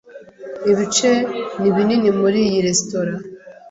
Ibice ni binini muri iyi resitora.